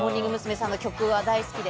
さんの曲が大好きで。